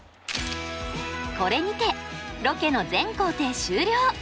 これにてロケの全行程終了。